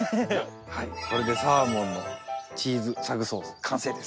これでサーモンのチーズサグソース完成です。